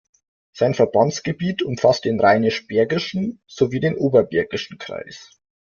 Sein Verbandsgebiet umfasst den Rheinisch Bergischen sowie den Oberbergischen Kreis.